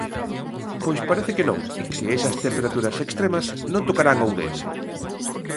Pois parece que non, que esas temperaturas extremas non tocarán Ourense.